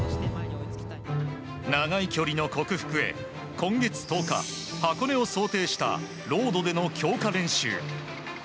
長い距離の克服へ、今月１０日箱根を想定したロードでの強化練習。